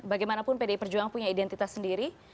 bagaimanapun pdi perjuangan punya identitas sendiri